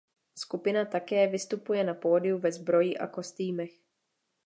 Skupina také vystupuje na pódiu ve zbroji a kostýmech.